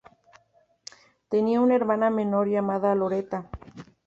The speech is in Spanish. Tenía una hermana menor llamada Loretta.